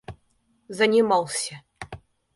занимался